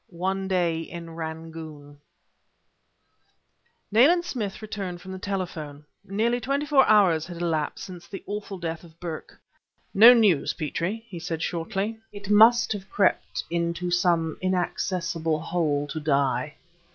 ONE DAY IN RANGOON Nayland Smith returned from the telephone. Nearly twenty four hours had elapsed since the awful death of Burke. "No news, Petrie," he said, shortly. "It must have crept into some inaccessible hole to die."